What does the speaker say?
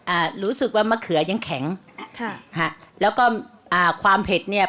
อ่ารู้สึกว่ามะเขือยังแข็งค่ะฮะแล้วก็อ่าความเผ็ดเนี้ย